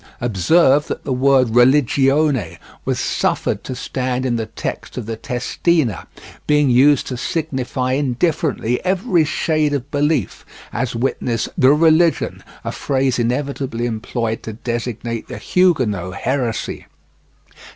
Observe that the word "religione" was suffered to stand in the text of the Testina, being used to signify indifferently every shade of belief, as witness "the religion," a phrase inevitably employed to designate the Huguenot heresy.